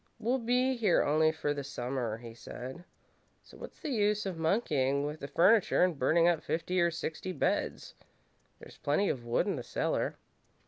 "We'll be here only for the Summer," he said, "so what's the use of monkeying with the furniture and burning up fifty or sixty beds? There's plenty of wood in the cellar."